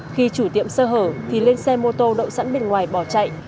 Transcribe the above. khi chủ tiệm sơ hở thì lên xe mô tô đậu sẵn bên ngoài bỏ chạy